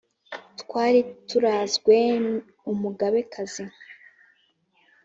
twari turazwe umugabekazi